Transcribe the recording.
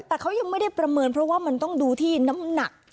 แต่เขายังไม่ได้ประเมินเพราะว่ามันต้องดูที่น้ำหนัก